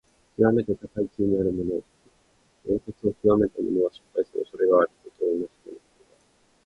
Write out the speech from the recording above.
きわめて高い地位にあるもの、栄達をきわめた者は、失敗をするおそれがあることを戒める言葉。